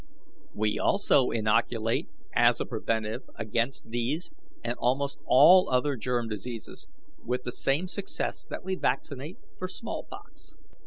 We also inoculate as a preventive against these and almost all other germ diseases, with the same success that we vaccinate for smallpox.